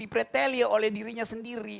di pretalia oleh dirinya sendiri